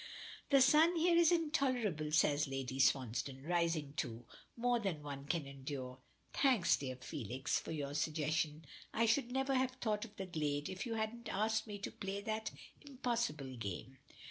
"The sun here is intolerable," says Lady Swansdown, rising too. "More than one can endure. Thanks, dear Felix, for your suggestion. I should never have thought of the glade if you hadn't asked me to play that impossible game."